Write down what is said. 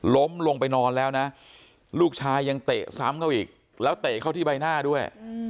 ล้มลงไปนอนแล้วนะลูกชายยังเตะซ้ำเข้าอีกแล้วเตะเข้าที่ใบหน้าด้วย